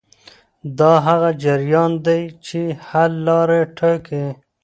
دا هغه جریان دی چې حل لاره ټاکي.